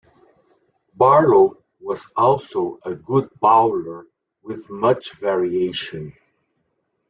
Barlow was also a good bowler with much variation.